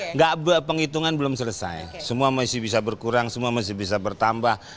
enggak penghitungan belum selesai semua masih bisa berkurang semua masih bisa bertambah